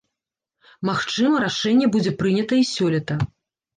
Магчыма рашэнне будзе прынята і сёлета.